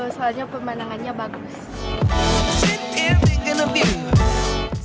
soalnya pemandangannya bagus